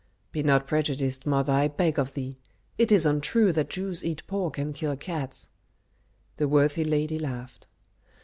"Be not prejudiced, mother, I beg of thee. It is untrue that Jews eat pork and kill cats." The worthy lady laughed.